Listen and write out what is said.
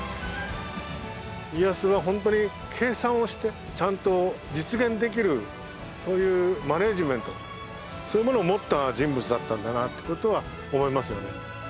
家康が本当に計算をしてちゃんと実現できるそういうマネジメントそういうものを持った人物だったんだなという事は思いますよね。